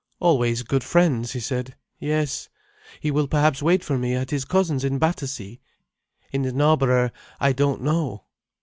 "Always good friends," he said. "Yes. He will perhaps wait for me at his cousin's in Battersea. In Knarborough, I don't know."